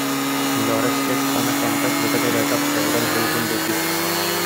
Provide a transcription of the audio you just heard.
Loras sits on a campus located atop several hills in Dubuque.